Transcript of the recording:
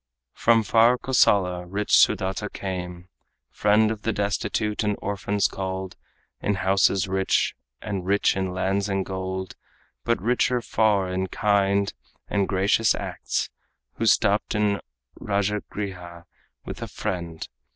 From far Kosala, rich Sudata came, Friend of the destitute and orphans called. In houses rich, and rich in lands and gold, But richer far in kind and gracious acts, Who stopped in Rajagriha with a friend.